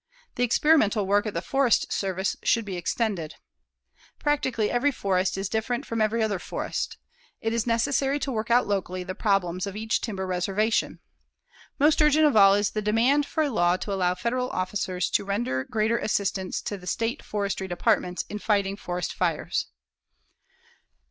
The experimental work of the Forest Service should be extended. Practically every forest is different from every other forest. It is necessary to work out locally the problems of each timber reservation. Most urgent of all is the demand for a law to allow Federal officers to render greater assistance to the state forestry departments in fighting forest fires.